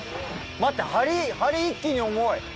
待って、はり、一気に重い。